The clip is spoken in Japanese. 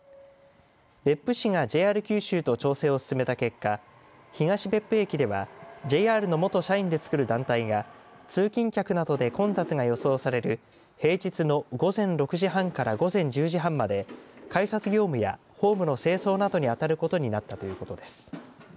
別府市がＪＲ九州と調整を進めた結果、東別府駅ではＪＲの元社員で作る団体が通勤客などで混雑が予想される平日の午前６時半から午前１０時半まで改札業務やホームの清掃などにあたることになったということです。